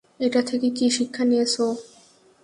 এটা থেকে কী শিক্ষা নিয়েছ?